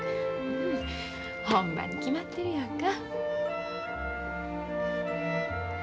ほんまに決まってるやんか。